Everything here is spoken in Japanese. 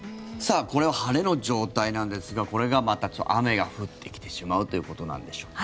これは晴れの状態なんですがまたこれが雨が降ってきてしまうということなんでしょうか。